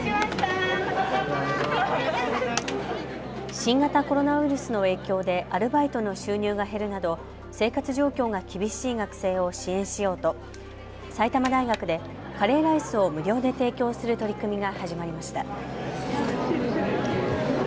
新型コロナウイルスの影響でアルバイトの収入が減るなど生活状況が厳しい学生を支援しようと埼玉大学でカレーライスを無料で提供する取り組みが始まりました。